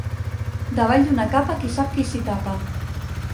Davall d'una capa qui sap qui s'hi tapa.